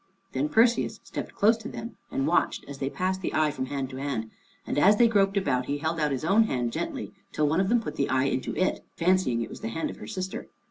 Then Perseus stepped close to them, and watched as they passed the eye from hand to hand. And as they groped about, he held out his own hand gently, till one of them put the eye into it, fancying that it was the hand of her sister.